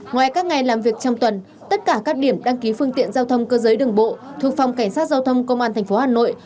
ngoài các ngày làm việc trong tuần tất cả các điểm đăng ký phương tiện giao thông cơ giới đường bộ thuộc phòng cảnh sát giao thông công an tp hà nội